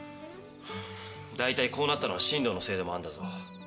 大体こうなったのは進藤のせいでもあるんだぞ。